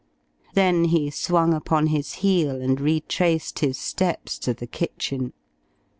Then he swung upon his heel, and retraced his steps to the kitchen.